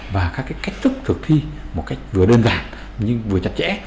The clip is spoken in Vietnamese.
và các cách thức thực thi một cách vừa đơn giản nhưng vừa chặt chẽ